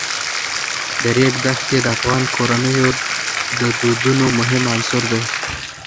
د ریګ دښتې د افغان کورنیو د دودونو مهم عنصر دی.